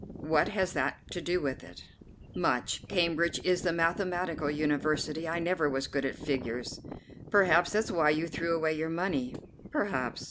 "What has that to do with it?" "Much. Cambridge is the mathematical university. I never was good at figures." "Perhaps that's why you threw away your money." "Perhaps.